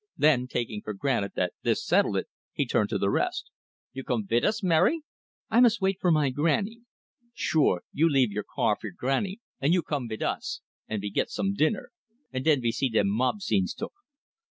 Then, taking for granted that this settled it, he turned to the rest. "You come vit us, Mary?" "I must wait for my grannie." "Sure, you leave your car fer grannie, and you come vit us, and we git some dinner, and den we see dem mob scenes took.